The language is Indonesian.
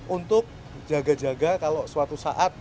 untuk jaga jaga kalau suatu saat